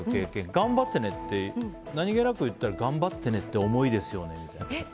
頑張ってねって言ったら何気なく言ったら頑張ってねって重いですよねみたいな。